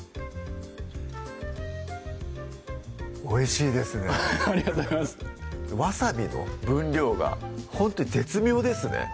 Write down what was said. おいしいですねありがとうございますわさびの分量がほんとに絶妙ですね